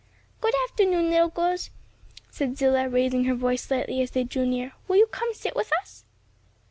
"Good afternoon, little girls," said Zillah, raising her voice slightly as they drew near; "will you come and sit with us?"